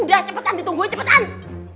udah cepetan ditungguin cepetan